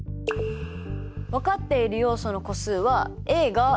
分かっている要素の個数はＡが６人。